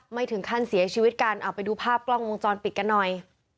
ไม่ถึงขั้นเสียชีวิตกันเอาไปดูภาพกล้องวงจรปิดกันหน่อย